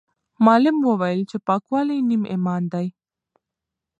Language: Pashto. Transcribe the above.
معلم وویل چې پاکوالی نیم ایمان دی.